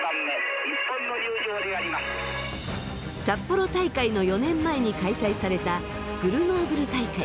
札幌大会の４年前に開催されたグルノーブル大会。